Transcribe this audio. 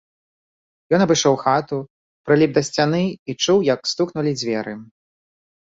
Ён абышоў хату, прыліп да сцяны і чуў, як стукнулі дзверы.